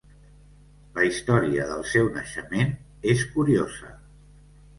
La història del seu naixement és curiosa.